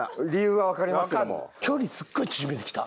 距離すっごい縮めてきた。